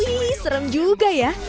wih serem juga ya